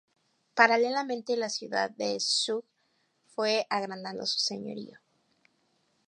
Paralelamente la ciudad de Zug fue agrandando su señorío.